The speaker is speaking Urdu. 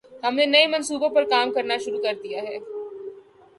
ہم نے نئے منصوبے پر کام شروع کر دیا ہے۔